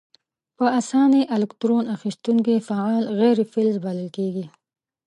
په آساني الکترون اخیستونکي فعال غیر فلز بلل کیږي.